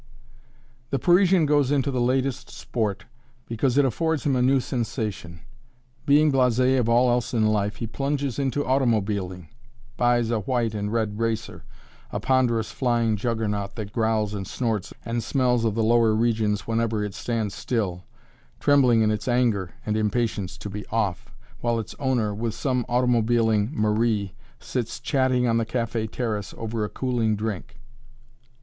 The Parisian goes into the latest sport because it affords him a new sensation. Being blasé of all else in life, he plunges into automobiling, buys a white and red racer a ponderous flying juggernaut that growls and snorts and smells of the lower regions whenever it stands still, trembling in its anger and impatience to be off, while its owner, with some automobiling Marie, sits chatting on the café terrace over a cooling drink.